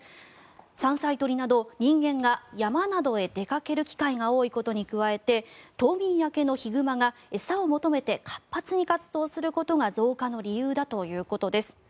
山菜取りなど人間が山などへ出かける機会が多いのに加えて冬眠明けのヒグマが餌を求めて活発に活動することが増加の理由だということです。